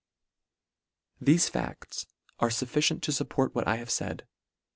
Thefe facls are furficient to fupport what I have faid.